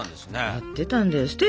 やってたんだよ。